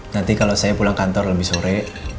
nanti kalau saya pulang kantor lebih sore